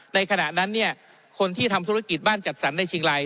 ในขณะนั้นคนที่ทำธุรกิจบ้านจัดสรรในชิงลาย